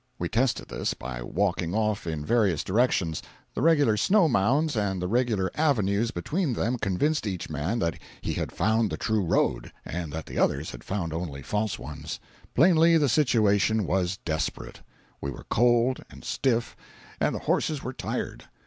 We tested this by walking off in various directions—the regular snow mounds and the regular avenues between them convinced each man that he had found the true road, and that the others had found only false ones. Plainly the situation was desperate. We were cold and stiff and the horses were tired.